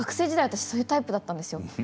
私そういうタイプだったんですよ。